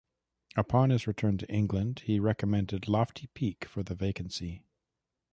Upon his return to England he recommended Lofty Peak for the vacancy.